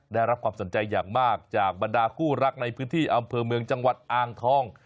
ได้รับความสนใจอย่างมากจากบรรดาคู่รักในพื้นที่อำเภอเมืองจังหวัดอ่างทอง